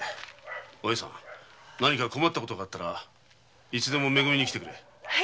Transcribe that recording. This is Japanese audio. お栄さん何か困ったことがあったらいつでも「め組」に来てくれ。